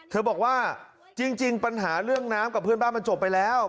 บอกว่าจริงปัญหาเรื่องน้ำกับเพื่อนบ้านมันจบไปแล้ว